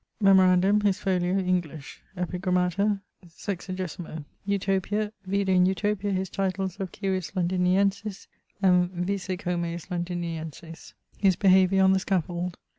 Memorandum: his folio, English. Epigrammata, 16mo. Utopia. Vide in Utopia his titles of civis Londiniensis and vicecomes Londiniensis. His behaviour on the scaffold.